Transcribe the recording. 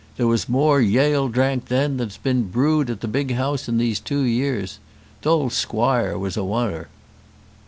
There was more yale drank then than's been brewed at the big house these two years. T'old squoire was a one'er."